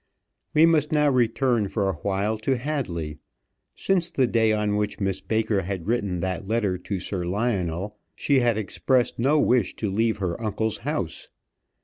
We must now return for awhile to Hadley. Since the day on which Miss Baker had written that letter to Sir Lionel, she had expressed no wish to leave her uncle's house.